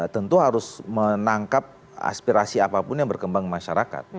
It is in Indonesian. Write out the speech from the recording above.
tentu harus menangkap aspirasi apapun yang berkembang di masyarakat